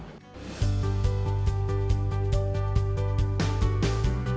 kalau kita bisa berhenti kita harus berhenti